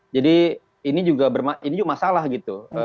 ini juga masalah gitu